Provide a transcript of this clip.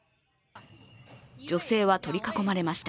女性は取り囲まれました。